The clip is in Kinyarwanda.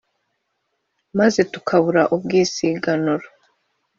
Maze tukabura ubwisiganuro